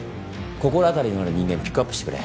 心当たりのある人間ピックアップしてくれ。